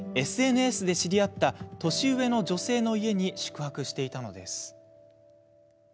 ＳＮＳで知り合った年上の女性の家に宿泊していたのです。